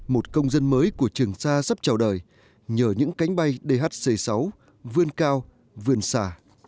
một công dân mới của trường sa sắp chào đời nhờ những cánh bay dhc sáu vươn cao vươn xa